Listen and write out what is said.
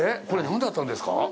これ、何だったんですか？